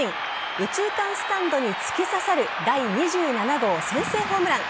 右中間スタンドに突き刺さる第２７号先制ホームラン。